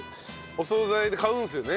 お総菜で買うんですよね？